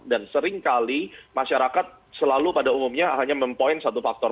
dan seringkali masyarakat selalu pada umumnya hanya mempoin satu faktor